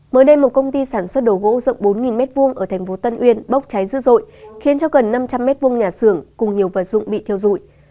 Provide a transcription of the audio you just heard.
mới đây một công ty sản xuất đồ gỗ rộng bốn m hai ở thành phố tân uyên bốc cháy dữ dội khiến cho gần năm trăm linh m hai nhà xưởng cùng nhiều vật dụng bị theo dụi